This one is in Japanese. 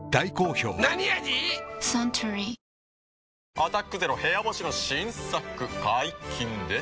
「アタックＺＥＲＯ部屋干し」の新作解禁です。